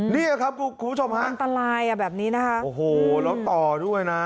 เนี่ยครับคุณผู้ชมฮะอันตรายอ่ะแบบนี้นะคะโอ้โหแล้วต่อด้วยนะ